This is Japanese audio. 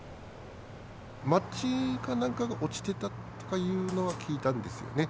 マッチかなんかが、落ちていたとかいうのは聞いたんですよね。